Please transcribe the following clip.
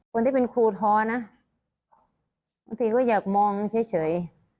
คนที่เป็นครูท้อนะบางทีก็อยากมองเฉย